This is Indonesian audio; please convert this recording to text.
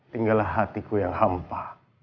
tinggal hatiku yang hampa